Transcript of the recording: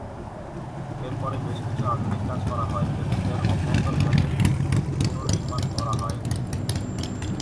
এর পরে বেশ কিছু আধুনিক কাজ করা হয় এবং এর অভ্যন্তরভাগের পুনঃনির্মাণ করা হয়।